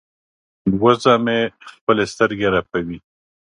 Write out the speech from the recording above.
وزه مې خپلې سترګې رپوي.